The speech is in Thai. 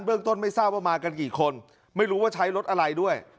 เรื่องต้นไม่ทราบว่ามากันกี่คนไม่รู้ว่าใช้รถอะไรด้วย